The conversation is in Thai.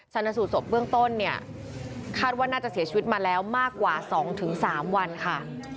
ชนสูตรศพเบื้องต้นเนี่ยคาดว่าน่าจะเสียชีวิตมาแล้วมากกว่า๒๓วันค่ะ